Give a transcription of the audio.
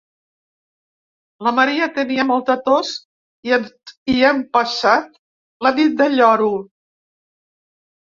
La Maria tenia molta tos i hem passat la nit del lloro.